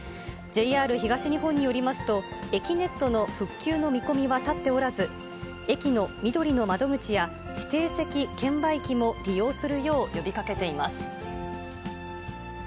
ＪＲ東日本によりますと、えきねっとの復旧の見込みは立っておらず、駅のみどりの窓口や指定席券売機も利用するよう呼びかけています。